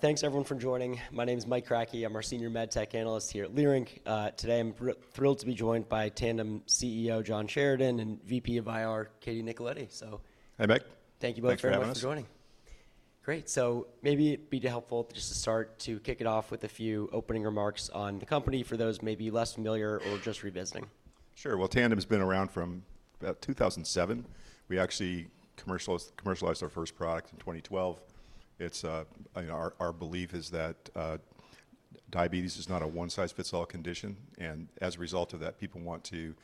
Thanks, everyone, for joining. My name is Mike Kratky. I'm our Senior Med Tech Analyst here at Leerink. Today, I'm thrilled to be joined by Tandem CEO John Sheridan and VP of IR Katie Nicoletti. Hey, Mike. Thank you both very much for joining. Thanks for having us. Great. Maybe it'd be helpful just to start to kick it off with a few opening remarks on the company for those maybe less familiar or just revisiting. Sure. Tandem has been around from about 2007. We actually commercialized our first product in 2012. Our belief is that diabetes is not a one-size-fits-all condition. As a result of that, people want to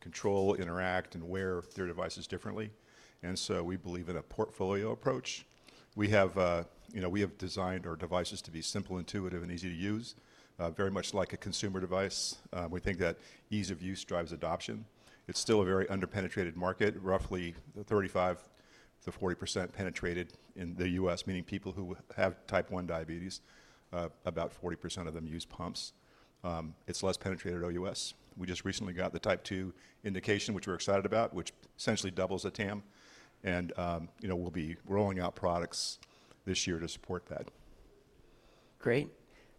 control, interact, and wear their devices differently. We believe in a portfolio approach. We have designed our devices to be simple, intuitive, and easy to use, very much like a consumer device. We think that ease of use drives adoption. It's still a very underpenetrated market, roughly 35%-40% penetrated in the U.S., meaning people who have type 1 diabetes, about 40% of them use pumps. It's less penetrated OUS. We just recently got the type 2 indication, which we're excited about, which essentially doubles the TAM. We'll be rolling out products this year to support that. Great.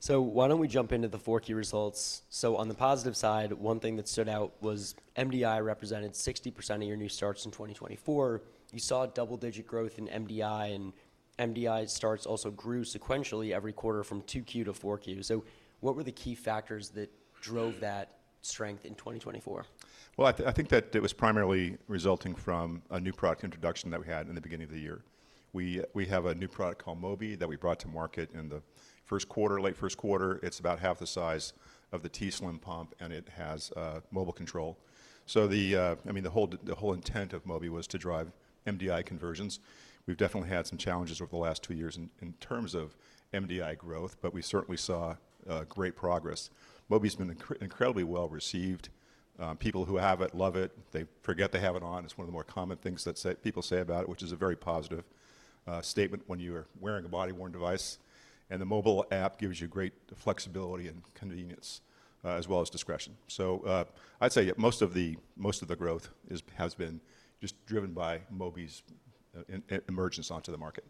Why don't we jump into the 4Q results? On the positive side, one thing that stood out was MDI represented 60% of your new starts in 2024. You saw double-digit growth in MDI, and MDI starts also grew sequentially every quarter from 2Q to 4Q. What were the key factors that drove that strength in 2024? I think that it was primarily resulting from a new product introduction that we had in the beginning of the year. We have a new product called Mobi that we brought to market in the first quarter, late first quarter. It is about half the size of the t:slim pump, and it has mobile control. I mean, the whole intent of Mobi was to drive MDI conversions. We have definitely had some challenges over the last two years in terms of MDI growth, but we certainly saw great progress. Mobi's been incredibly well received. People who have it love it. They forget they have it on. It is one of the more common things that people say about it, which is a very positive statement when you are wearing a body-worn device. The mobile app gives you great flexibility and convenience, as well as discretion. I'd say most of the growth has been just driven by Mobi's emergence onto the market.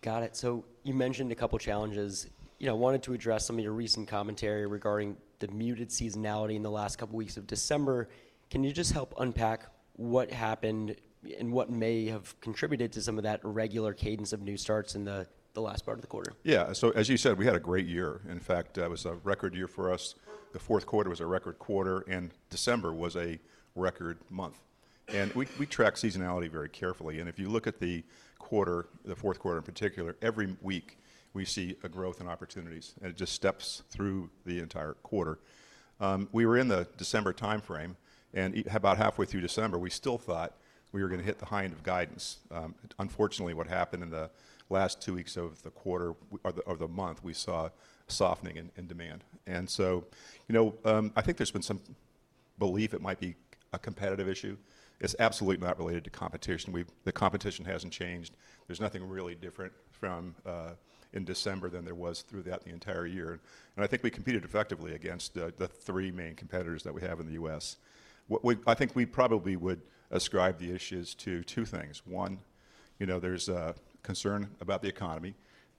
Got it. You mentioned a couple of challenges. I wanted to address some of your recent commentary regarding the muted seasonality in the last couple of weeks of December. Can you just help unpack what happened and what may have contributed to some of that irregular cadence of new starts in the last part of the quarter? Yeah. As you said, we had a great year. In fact, it was a record year for us. The fourth quarter was a record quarter, and December was a record month. We track seasonality very carefully. If you look at the quarter, the fourth quarter in particular, every week we see a growth in opportunities, and it just steps through the entire quarter. We were in the December time frame, and about halfway through December, we still thought we were going to hit the high end of guidance. Unfortunately, what happened in the last two weeks of the quarter or the month, we saw softening in demand. I think there's been some belief it might be a competitive issue. It's absolutely not related to competition. The competition hasn't changed. There's nothing really different in December than there was throughout the entire year. I think we competed effectively against the three main competitors that we have in the US. I think we probably would ascribe the issues to two things. One, there's concern about the economy,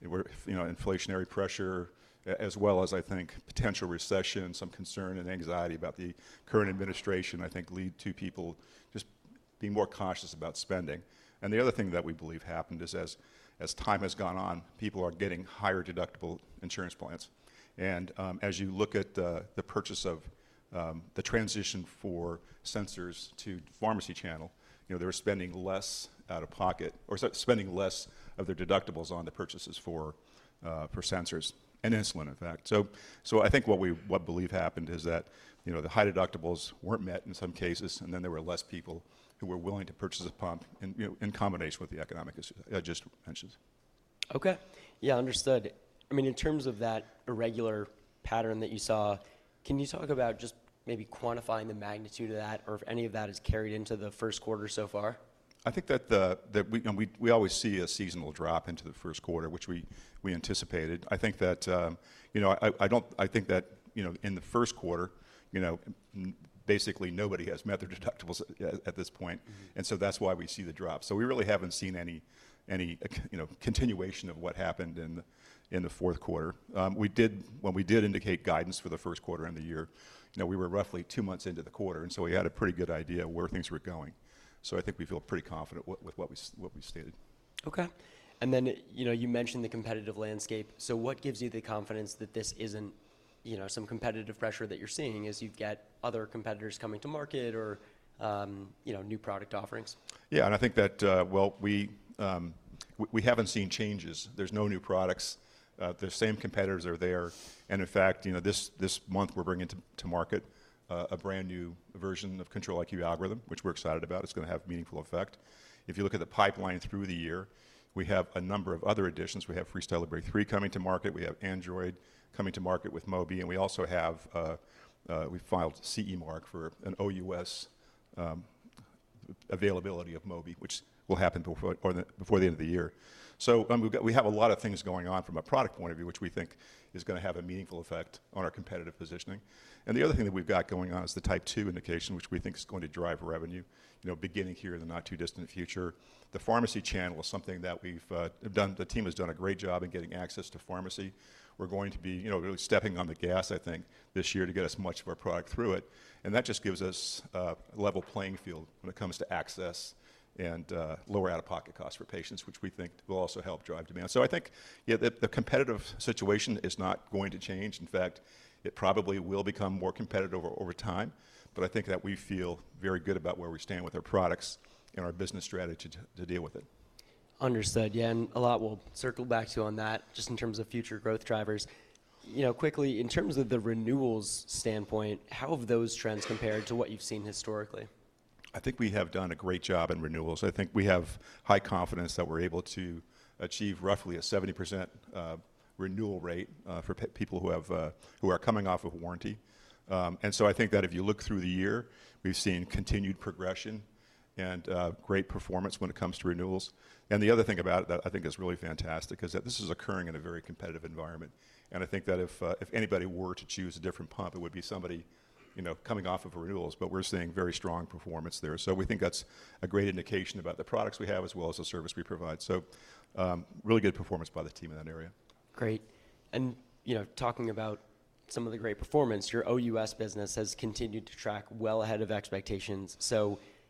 inflationary pressure, as well as, I think, potential recession, some concern and anxiety about the current administration, I think, lead to people just being more cautious about spending. The other thing that we believe happened is as time has gone on, people are getting higher deductible insurance plans. As you look at the purchase of the transition for sensors to pharmacy channel, they were spending less out of pocket or spending less of their deductibles on the purchases for sensors and insulin, in fact. I think what we believe happened is that the high deductibles were not met in some cases, and then there were less people who were willing to purchase a pump in combination with the economic adjustments. Okay. Yeah, understood. I mean, in terms of that irregular pattern that you saw, can you talk about just maybe quantifying the magnitude of that or if any of that has carried into the first quarter so far? I think that we always see a seasonal drop into the first quarter, which we anticipated. I think that in the first quarter, basically nobody has met their deductibles at this point. That is why we see the drop. We really have not seen any continuation of what happened in the fourth quarter. When we did indicate guidance for the first quarter in the year, we were roughly two months into the quarter. We had a pretty good idea of where things were going. I think we feel pretty confident with what we stated. Okay. You mentioned the competitive landscape. What gives you the confidence that this isn't some competitive pressure that you're seeing as you've got other competitors coming to market or new product offerings? Yeah. I think that, well, we haven't seen changes. There's no new products. The same competitors are there. In fact, this month we're bringing to market a brand new version of Control-IQ algorithm, which we're excited about. It's going to have meaningful effect. If you look at the pipeline through the year, we have a number of other additions. We have FreeStyle Libre 3 coming to market. We have Android coming to market with Mobi. We also have we filed CE mark for an OUS availability of Mobi, which will happen before the end of the year. We have a lot of things going on from a product point of view, which we think is going to have a meaningful effect on our competitive positioning. The other thing that we've got going on is the type 2 indication, which we think is going to drive revenue beginning here in the not too distant future. The pharmacy channel is something that we've done, the team has done a great job in getting access to pharmacy. We're going to be really stepping on the gas, I think, this year to get as much of our product through it. That just gives us a level playing field when it comes to access and lower out-of-pocket costs for patients, which we think will also help drive demand. I think the competitive situation is not going to change. In fact, it probably will become more competitive over time. I think that we feel very good about where we stand with our products and our business strategy to deal with it. Understood. Yeah. A lot we'll circle back to on that just in terms of future growth drivers. Quickly, in terms of the renewals standpoint, how have those trends compared to what you've seen historically? I think we have done a great job in renewals. I think we have high confidence that we're able to achieve roughly a 70% renewal rate for people who are coming off of warranty. I think that if you look through the year, we've seen continued progression and great performance when it comes to renewals. The other thing about it that I think is really fantastic is that this is occurring in a very competitive environment. I think that if anybody were to choose a different pump, it would be somebody coming off of renewals. We're seeing very strong performance there. We think that's a great indication about the products we have, as well as the service we provide. Really good performance by the team in that area. Great. Talking about some of the great performance, your OUS business has continued to track well ahead of expectations.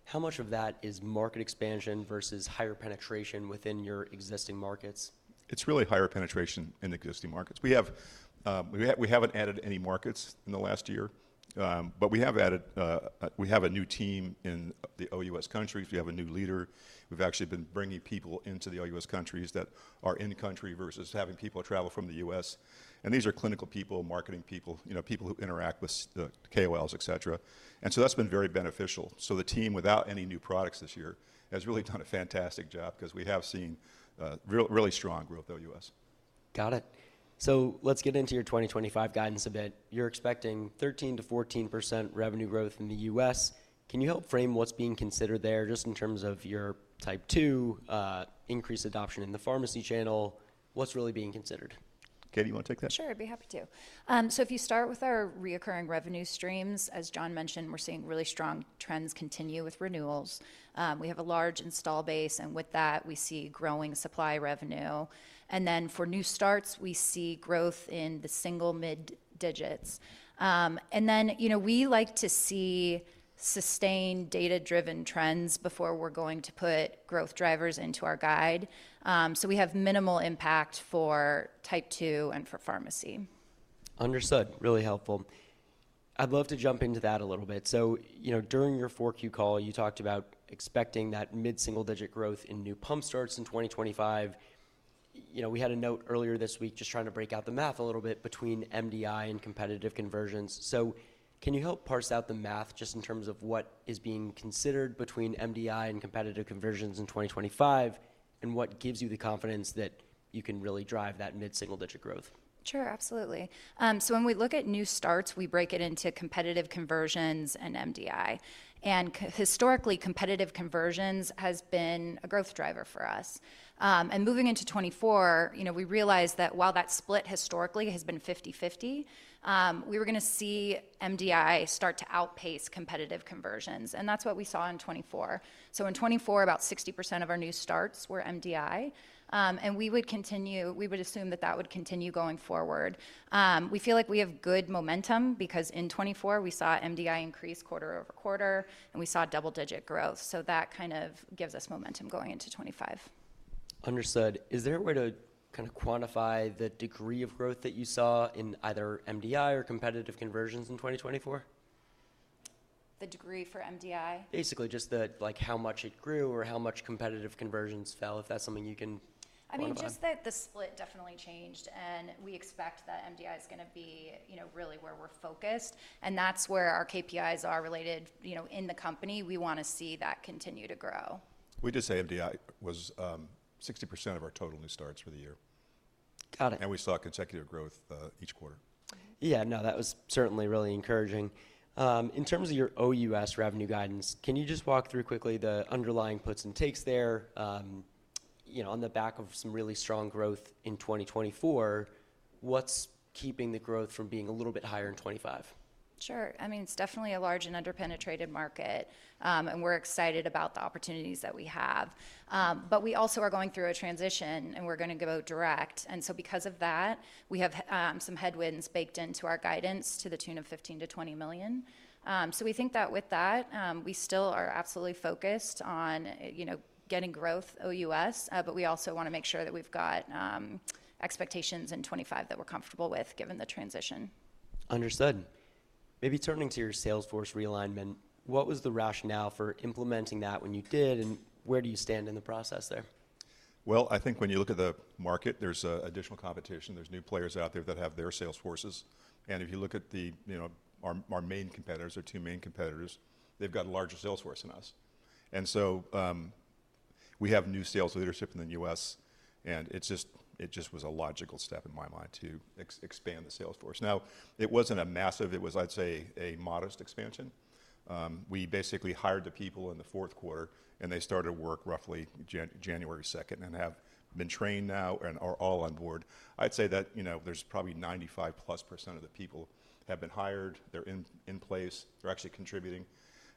How much of that is market expansion versus higher penetration within your existing markets? It's really higher penetration in existing markets. We haven't added any markets in the last year, but we have added we have a new team in the OUS countries. We have a new leader. We've actually been bringing people into the OUS countries that are in-country versus having people travel from the US. These are clinical people, marketing people, people who interact with KOLs, et cetera. That has been very beneficial. The team, without any new products this year, has really done a fantastic job because we have seen really strong growth at OUS. Got it. Let's get into your 2025 guidance a bit. You're expecting 13%-14% revenue growth in the U.S. Can you help frame what's being considered there just in terms of your type 2 increased adoption in the pharmacy channel? What's really being considered? Katie, you want to take that? Sure. I'd be happy to. If you start with our recurring revenue streams, as John mentioned, we're seeing really strong trends continue with renewals. We have a large install base, and with that, we see growing supply revenue. For new starts, we see growth in the single mid-digits. We like to see sustained data-driven trends before we're going to put growth drivers into our guide. We have minimal impact for type 2 and for pharmacy. Understood. Really helpful. I'd love to jump into that a little bit. During your 4Q call, you talked about expecting that mid-single-digit growth in new pump starts in 2025. We had a note earlier this week just trying to break out the math a little bit between MDI and competitive conversions. Can you help parse out the math just in terms of what is being considered between MDI and competitive conversions in 2025, and what gives you the confidence that you can really drive that mid-single-digit growth? Sure, absolutely. When we look at new starts, we break it into competitive conversions and MDI. Historically, competitive conversions has been a growth driver for us. Moving into 2024, we realized that while that split historically has been 50/50, we were going to see MDI start to outpace competitive conversions. That is what we saw in 2024. In 2024, about 60% of our new starts were MDI. We would assume that that would continue going forward. We feel like we have good momentum because in 2024, we saw MDI increase quarter over quarter, and we saw double-digit growth. That kind of gives us momentum going into 2025. Understood. Is there a way to kind of quantify the degree of growth that you saw in either MDI or competitive conversions in 2024? The degree for MDI? Basically just how much it grew or how much competitive conversions fell, if that's something you can quantify. I mean, just that the split definitely changed, and we expect that MDI is going to be really where we're focused. That's where our KPIs are related in the company. We want to see that continue to grow. We did say MDI was 60% of our total new starts for the year. Got it. We saw consecutive growth each quarter. Yeah. No, that was certainly really encouraging. In terms of your OUS revenue guidance, can you just walk through quickly the underlying puts and takes there? On the back of some really strong growth in 2024, what's keeping the growth from being a little bit higher in 2025? Sure. I mean, it's definitely a large and under-penetrated market, and we're excited about the opportunities that we have. We also are going through a transition, and we're going to go direct. Because of that, we have some headwinds baked into our guidance to the tune of $15 million-$20 million. We think that with that, we still are absolutely focused on getting growth OUS, but we also want to make sure that we've got expectations in 2025 that we're comfortable with given the transition. Understood. Maybe turning to your Salesforce realignment, what was the rationale for implementing that when you did, and where do you stand in the process there? I think when you look at the market, there's additional competition. There's new players out there that have their Salesforces. If you look at our main competitors, our two main competitors, they've got a larger Salesforce than us. We have new sales leadership in the US, and it just was a logical step in my mind to expand the Salesforce. It wasn't a massive, it was, I'd say, a modest expansion. We basically hired the people in the fourth quarter, and they started work roughly January 2nd and have been trained now and are all on board. I'd say that there's probably 95% plus of the people have been hired. They're in place. They're actually contributing.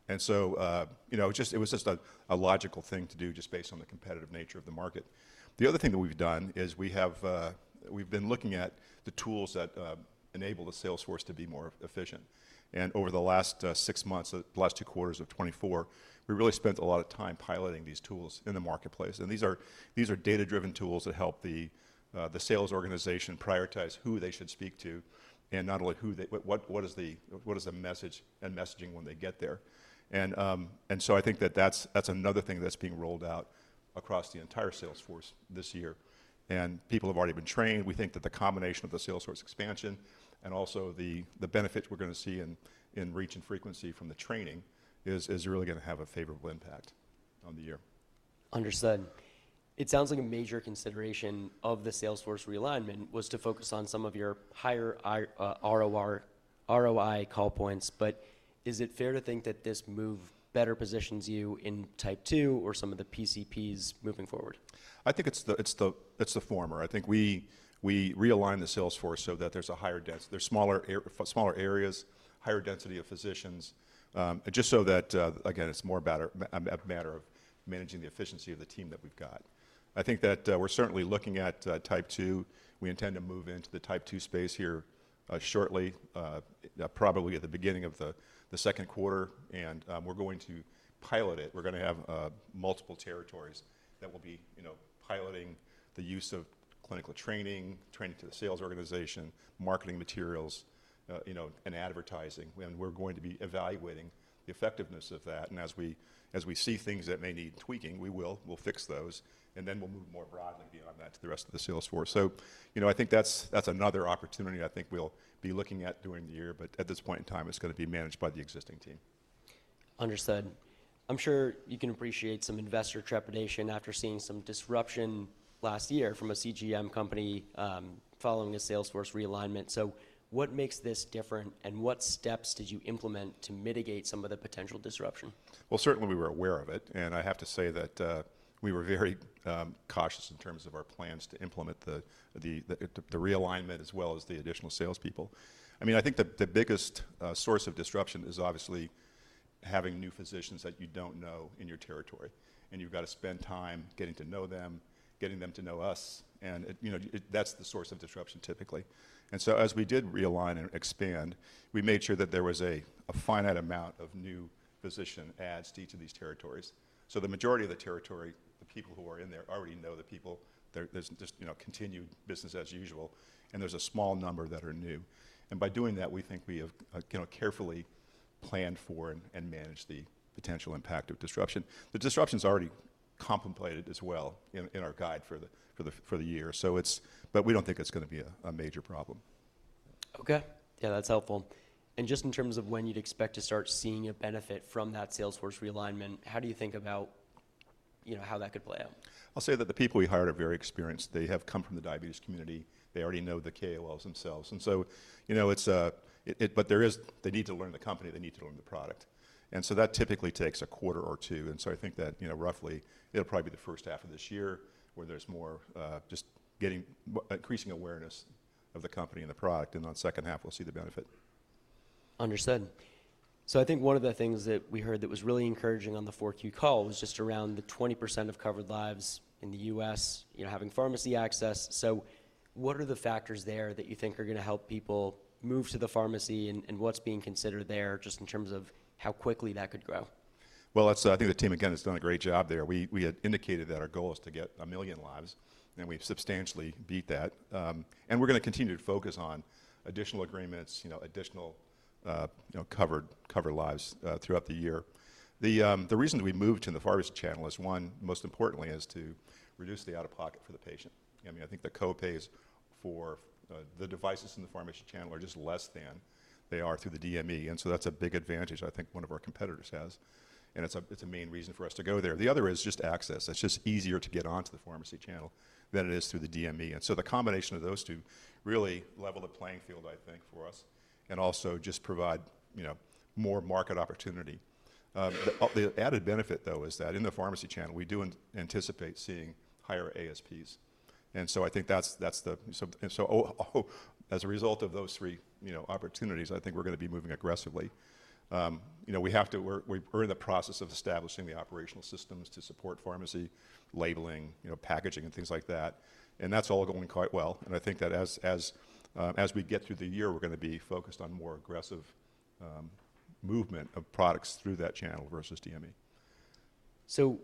It was just a logical thing to do just based on the competitive nature of the market. The other thing that we've done is we've been looking at the tools that enable the Salesforce to be more efficient. Over the last six months, the last two quarters of 2024, we really spent a lot of time piloting these tools in the marketplace. These are data-driven tools that help the sales organization prioritize who they should speak to and not only what is the message and messaging when they get there. I think that that's another thing that's being rolled out across the entire Salesforce this year. People have already been trained. We think that the combination of the Salesforce expansion and also the benefits we're going to see in reach and frequency from the training is really going to have a favorable impact on the year. Understood. It sounds like a major consideration of the Salesforce realignment was to focus on some of your higher ROI call points. Is it fair to think that this move better positions you in type 2 or some of the PCPs moving forward? I think it's the former. I think we realign the Salesforce so that there's a higher dense - smaller areas, higher density of physicians, just so that, again, it's more about a matter of managing the efficiency of the team that we've got. I think that we're certainly looking at type 2. We intend to move into the type 2 space here shortly, probably at the beginning of the second quarter. We're going to pilot it. We're going to have multiple territories that will be piloting the use of clinical training, training to the sales organization, marketing materials, and advertising. We're going to be evaluating the effectiveness of that. As we see things that may need tweaking, we will. We'll fix those. Then we'll move more broadly beyond that to the rest of the Salesforce. I think that's another opportunity I think we'll be looking at during the year. At this point in time, it's going to be managed by the existing team. Understood. I'm sure you can appreciate some investor trepidation after seeing some disruption last year from a CGM company following a Salesforce realignment. What makes this different, and what steps did you implement to mitigate some of the potential disruption? Certainly we were aware of it. I have to say that we were very cautious in terms of our plans to implement the realignment as well as the additional salespeople. I think the biggest source of disruption is obviously having new physicians that you do not know in your territory. You have to spend time getting to know them, getting them to know us. That is the source of disruption typically. As we did realign and expand, we made sure that there was a finite amount of new physician adds to each of these territories. The majority of the territory, the people who are in there already know the people. There is just continued business as usual. There is a small number that are new. By doing that, we think we have carefully planned for and managed the potential impact of disruption. The disruption's already contemplated as well in our guide for the year. We don't think it's going to be a major problem. Okay. Yeah, that's helpful. In terms of when you'd expect to start seeing a benefit from that Salesforce realignment, how do you think about how that could play out? I'll say that the people we hired are very experienced. They have come from the diabetes community. They already know the KOLs themselves. They need to learn the company. They need to learn the product. That typically takes a quarter or two. I think that roughly it'll probably be the first half of this year where there's more just increasing awareness of the company and the product. The second half, we'll see the benefit. Understood. I think one of the things that we heard that was really encouraging on the Q4 call was just around the 20% of covered lives in the U.S. having pharmacy access. What are the factors there that you think are going to help people move to the pharmacy and what is being considered there just in terms of how quickly that could grow? I think the team, again, has done a great job there. We had indicated that our goal is to get a million lives, and we've substantially beat that. We're going to continue to focus on additional agreements, additional covered lives throughout the year. The reason we moved to the pharmacy channel is, one, most importantly, to reduce the out-of-pocket for the patient. I mean, I think the copays for the devices in the pharmacy channel are just less than they are through the DME. That's a big advantage I think one of our competitors has. It's a main reason for us to go there. The other is just access. It's just easier to get onto the pharmacy channel than it is through the DME. The combination of those two really leveled the playing field, I think, for us and also just provide more market opportunity. The added benefit, though, is that in the pharmacy channel, we do anticipate seeing higher ASPs. I think that as a result of those three opportunities, I think we're going to be moving aggressively. We're in the process of establishing the operational systems to support pharmacy labeling, packaging, and things like that. That's all going quite well. I think that as we get through the year, we're going to be focused on more aggressive movement of products through that channel versus DME.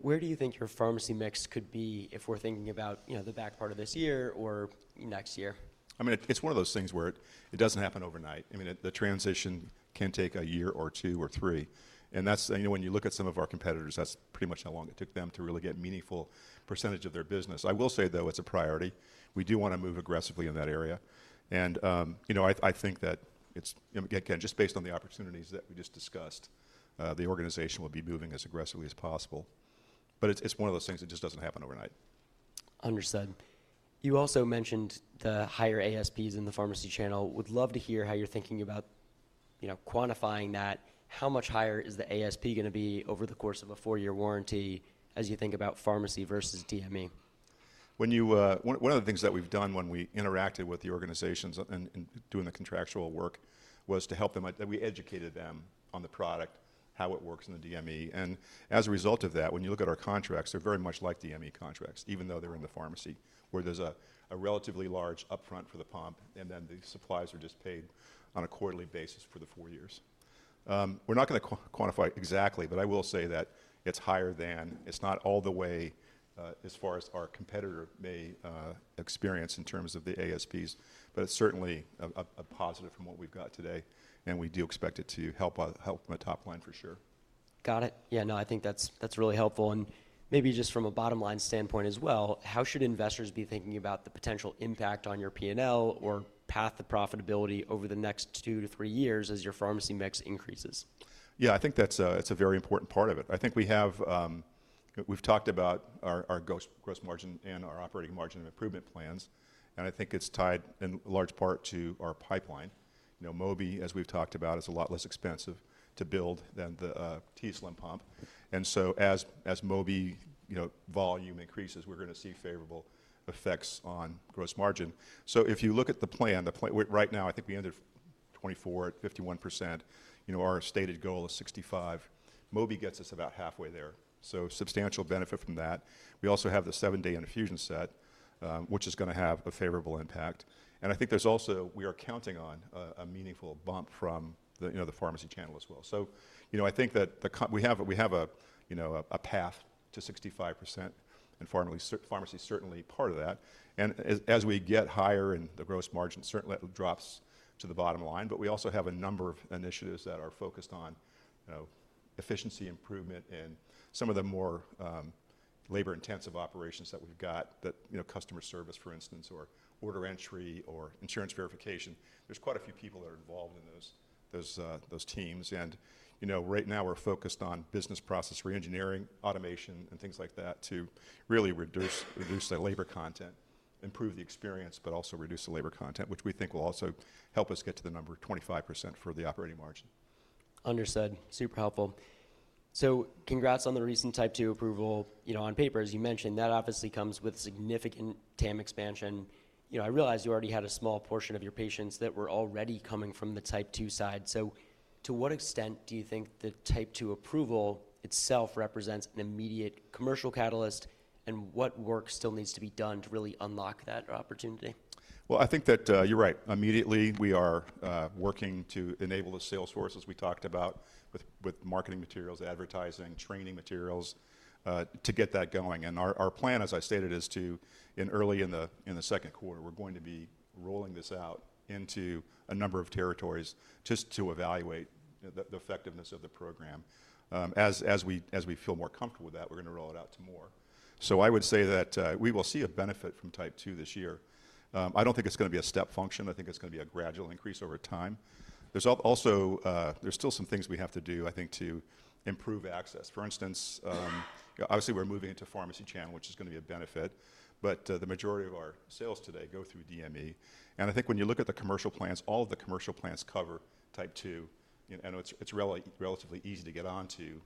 Where do you think your pharmacy mix could be if we're thinking about the back part of this year or next year? I mean, it's one of those things where it doesn't happen overnight. I mean, the transition can take a year or two or three. When you look at some of our competitors, that's pretty much how long it took them to really get a meaningful percentage of their business. I will say, though, it's a priority. We do want to move aggressively in that area. I think that, again, just based on the opportunities that we just discussed, the organization will be moving as aggressively as possible. It's one of those things that just doesn't happen overnight. Understood. You also mentioned the higher ASPs in the pharmacy channel. Would love to hear how you're thinking about quantifying that. How much higher is the ASP going to be over the course of a four-year warranty as you think about pharmacy versus DME? One of the things that we've done when we interacted with the organizations and doing the contractual work was to help them. We educated them on the product, how it works in the DME. As a result of that, when you look at our contracts, they're very much like DME contracts, even though they're in the pharmacy, where there's a relatively large upfront for the pump, and then the supplies are just paid on a quarterly basis for the four years. We're not going to quantify exactly, but I will say that it's higher than. It's not all the way as far as our competitor may experience in terms of the ASPs, but it's certainly a positive from what we've got today. We do expect it to help from a top line for sure. Got it. Yeah, no, I think that's really helpful. Maybe just from a bottom-line standpoint as well, how should investors be thinking about the potential impact on your P&L or path to profitability over the next two to three years as your pharmacy mix increases? Yeah, I think that's a very important part of it. I think we've talked about our gross margin and our operating margin improvement plans. I think it's tied in large part to our pipeline. Mobi, as we've talked about, is a lot less expensive to build than the t:slim pump. As Mobi volume increases, we're going to see favorable effects on gross margin. If you look at the plan, right now, I think we ended 2024 at 51%. Our stated goal is 65%. Mobi gets us about halfway there. Substantial benefit from that. We also have the seven-day infusion set, which is going to have a favorable impact. I think we are counting on a meaningful bump from the pharmacy channel as well. I think that we have a path to 65%, and pharmacy is certainly part of that. As we get higher in the gross margin, certainly it drops to the bottom line. We also have a number of initiatives that are focused on efficiency improvement and some of the more labor-intensive operations that we have, that customer service, for instance, or order entry or insurance verification. There are quite a few people that are involved in those teams. Right now, we are focused on business process reengineering, automation, and things like that to really reduce the labor content, improve the experience, but also reduce the labor content, which we think will also help us get to the number of 25% for the operating margin. Understood. Super helpful. Congrats on the recent type 2 approval on papers. You mentioned that obviously comes with significant TAM expansion. I realize you already had a small portion of your patients that were already coming from the type 2 side. To what extent do you think the type 2 approval itself represents an immediate commercial catalyst, and what work still needs to be done to really unlock that opportunity? I think that you're right. Immediately, we are working to enable the Salesforce, as we talked about, with marketing materials, advertising, training materials to get that going. Our plan, as I stated, is to, early in the second quarter, we're going to be rolling this out into a number of territories just to evaluate the effectiveness of the program. As we feel more comfortable with that, we're going to roll it out to more. I would say that we will see a benefit from type 2 this year. I don't think it's going to be a step function. I think it's going to be a gradual increase over time. There's still some things we have to do, I think, to improve access. For instance, obviously, we're moving into pharmacy channel, which is going to be a benefit. The majority of our sales today go through DME. I think when you look at the commercial plans, all of the commercial plans cover type 2. I know it's relatively easy to get onto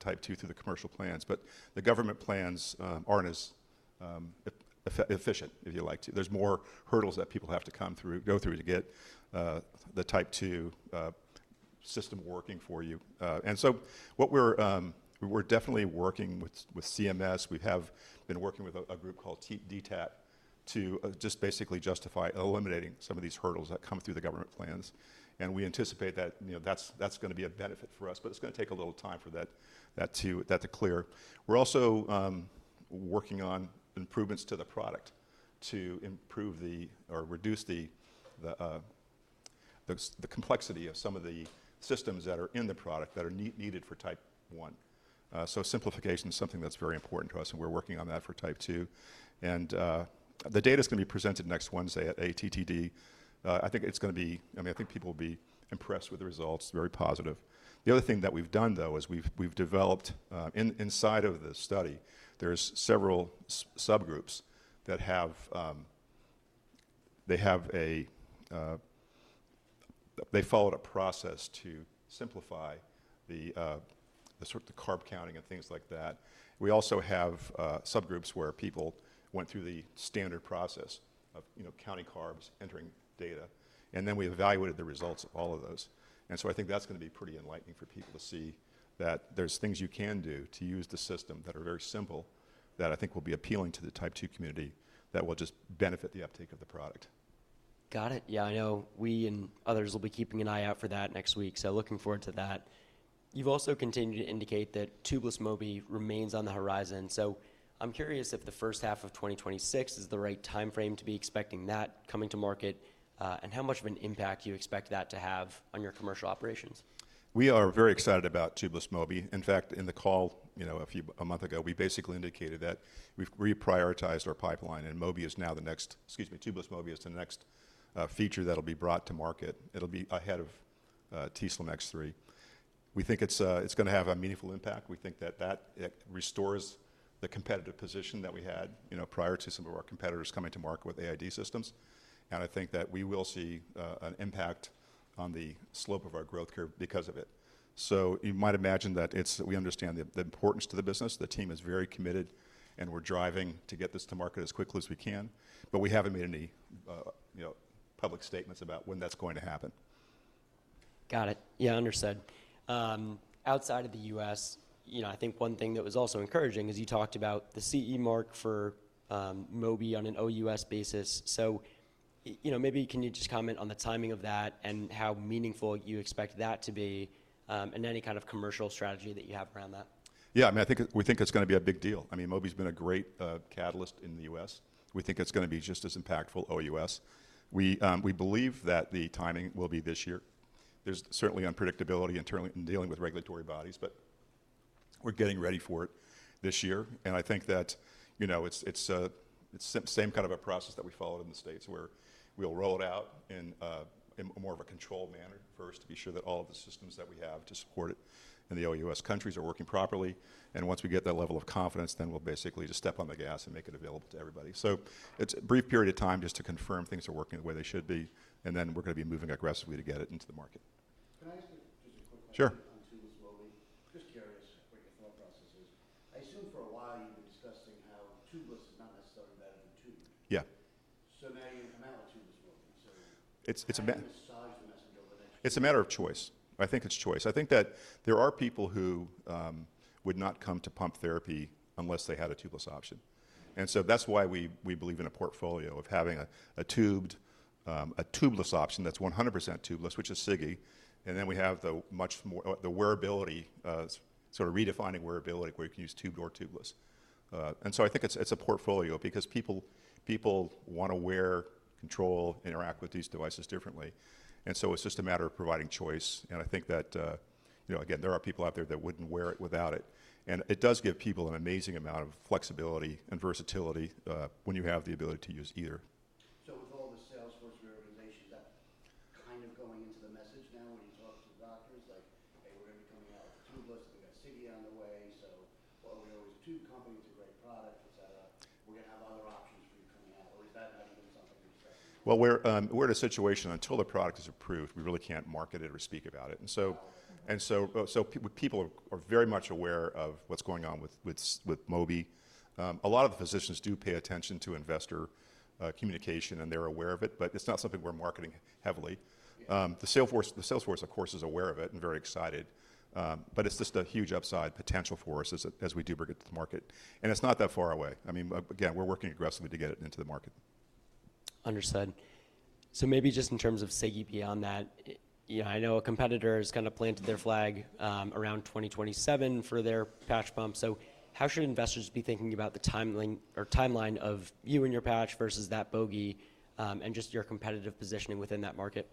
type 2 through the commercial plans. The government plans aren't as efficient, if you like. There's more hurdles that people have to go through to get the type 2 system working for you. We're definitely working with CMS. We have been working with a group called DTAC to just basically justify eliminating some of these hurdles that come through the government plans. We anticipate that that's going to be a benefit for us. It's going to take a little time for that to clear. We're also working on improvements to the product to reduce the complexity of some of the systems that are in the product that are needed for type 1. Simplification is something that's very important to us, and we're working on that for type 2. The data is going to be presented next Wednesday at ATTD. I think it's going to be, I mean, I think people will be impressed with the results. Very positive. The other thing that we've done, though, is we've developed inside of the study, there are several subgroups that have followed a process to simplify the sort of the carb counting and things like that. We also have subgroups where people went through the standard process of counting carbs, entering data. Then we evaluated the results of all of those. I think that's going to be pretty enlightening for people to see that there's things you can do to use the system that are very simple that I think will be appealing to the type 2 community that will just benefit the uptake of the product. Got it. Yeah, I know we and others will be keeping an eye out for that next week. Looking forward to that. You've also continued to indicate that tubeless Mobi remains on the horizon. I'm curious if the first half of 2026 is the right time frame to be expecting that coming to market and how much of an impact you expect that to have on your commercial operations. We are very excited about tubeless Mobi. In fact, in the call a month ago, we basically indicated that we've reprioritized our pipeline. And Mobi is now the next tubeless Mobi is the next feature that'll be brought to market. It'll be ahead of t:slim X3. We think it's going to have a meaningful impact. We think that that restores the competitive position that we had prior to some of our competitors coming to market with AID systems. I think that we will see an impact on the slope of our growth curve because of it. You might imagine that we understand the importance to the business. The team is very committed, and we're driving to get this to market as quickly as we can. We haven't made any public statements about when that's going to happen. Got it. Yeah, understood. Outside of the U.S., I think one thing that was also encouraging is you talked about the CE mark for Mobi on an OUS basis. Maybe can you just comment on the timing of that and how meaningful you expect that to be and any kind of commercial strategy that you have around that? Yeah, I mean, I think we think it's going to be a big deal. I mean, Mobi's been a great catalyst in the U.S. We think it's going to be just as impactful OUS. We believe that the timing will be this year. There's certainly unpredictability in dealing with regulatory bodies, but we're getting ready for it this year. I think that it's the same kind of a process that we followed in the States where we'll roll it out in more of a controlled manner first to be sure that all of the systems that we have to support it in the OUS countries are working properly. Once we get that level of confidence, we'll basically just step on the gas and make it available to everybody. It's a brief period of time just to confirm things are working the way they should be. We're going to be moving aggressively to get it into the market. Can I ask just a quick question on tubeless Mobi? Just curious what your thought process is. I assume for a while you've been discussing how tubeless is not necessarily better than tube. Yeah. You're going to come out with tubeless Mobi. How do you massage the message over the next year? It's a matter of choice. I think it's choice. I think that there are people who would not come to pump therapy unless they had a tubeless option. That's why we believe in a portfolio of having a tubed, a tubeless option that's 100% tubeless, which is Sigi. Then we have the wearability, sort of redefining wearability where you can use tubed or tubeless. I think it's a portfolio because people want to wear, control, interact with these devices differently. It's just a matter of providing choice. I think that, again, there are people out there that wouldn't wear it without it. It does give people an amazing amount of flexibility and versatility when you have the ability to use either. With all the Salesforce reorganizations, is that kind of going into the message now when you talk to the doctors, like, "Hey, we're going to be coming out with the tubeless. We've got Sigi on the way. We know it's a tube company. It's a great product, etc. We're going to have other options for you coming out." Or is that not even something you're discussing? We're in a situation until the product is approved, we really can't market it or speak about it. People are very much aware of what's going on with Mobi. A lot of the physicians do pay attention to investor communication, and they're aware of it. It's not something we're marketing heavily. The Salesforce, of course, is aware of it and very excited. It's just a huge upside potential for us as we do get to the market. It's not that far away. I mean, again, we're working aggressively to get it into the market. Understood. Maybe just in terms of Sigi beyond that, I know a competitor has kind of planted their flag around 2027 for their patch pump. How should investors be thinking about the timeline of you and your patch versus that bogey and just your competitive positioning within that market?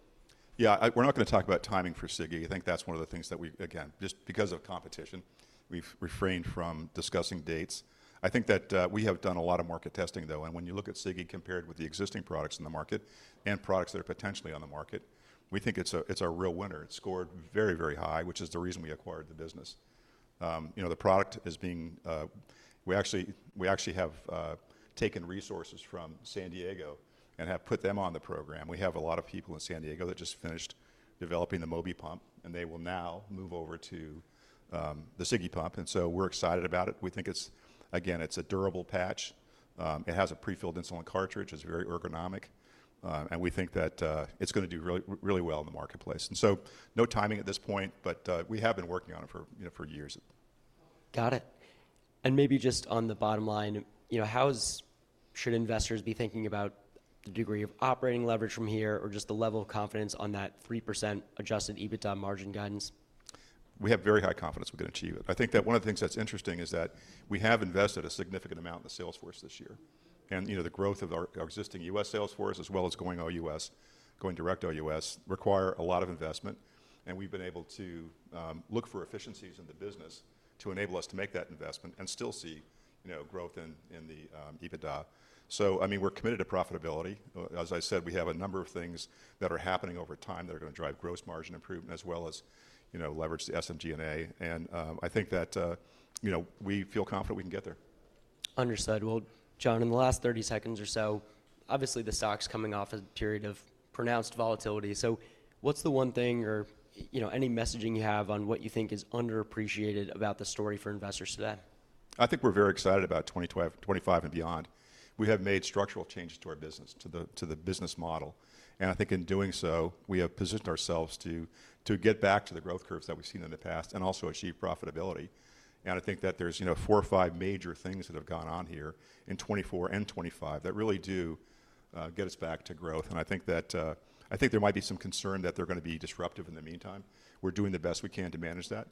Yeah, we're not going to talk about timing for Sigi. I think that's one of the things that we, again, just because of competition, we've refrained from discussing dates. I think that we have done a lot of market testing, though. And when you look at Sigi compared with the existing products in the market and products that are potentially on the market, we think it's a real winner. It scored very, very high, which is the reason we acquired the business. The product is being we actually have taken resources from San Diego and have put them on the program. We have a lot of people in San Diego that just finished developing the Mobi pump, and they will now move over to the Sigi pump. We are excited about it. We think it's, again, it's a durable patch. It has a prefilled insulin cartridge. It's very ergonomic. We think that it's going to do really well in the marketplace. No timing at this point, but we have been working on it for years. Got it. Maybe just on the bottom line, how should investors be thinking about the degree of operating leverage from here or just the level of confidence on that 3% adjusted EBITDA margin guidance? We have very high confidence we're going to achieve it. I think that one of the things that's interesting is that we have invested a significant amount in the Salesforce this year. The growth of our existing US Salesforce as well as going OUS, going direct OUS, require a lot of investment. We've been able to look for efficiencies in the business to enable us to make that investment and still see growth in the EBITDA. I mean, we're committed to profitability. As I said, we have a number of things that are happening over time that are going to drive gross margin improvement as well as leverage the SMG&A. I think that we feel confident we can get there. Understood. John, in the last 30 seconds or so, obviously, the stock's coming off a period of pronounced volatility. What's the one thing or any messaging you have on what you think is underappreciated about the story for investors today? I think we're very excited about 2025 and beyond. We have made structural changes to our business, to the business model. I think in doing so, we have positioned ourselves to get back to the growth curves that we've seen in the past and also achieve profitability. I think that there's four or five major things that have gone on here in 2024 and 2025 that really do get us back to growth. I think there might be some concern that they're going to be disruptive in the meantime. We're doing the best we can to manage that.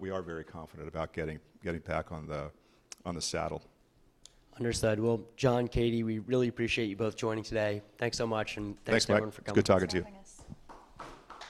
We are very confident about getting back on the saddle. Understood. John, Katie, we really appreciate you both joining today. Thanks so much. Thanks, everyone, for coming to us. Thanks for having us. It's good talking to you.